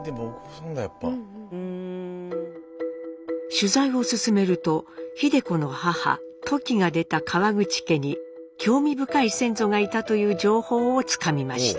取材を進めると秀子の母トキが出た川口家に興味深い先祖がいたという情報をつかみました。